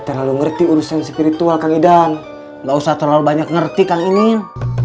terlalu ngerti urusan spiritual kagetan enggak usah terlalu banyak ngerti kainin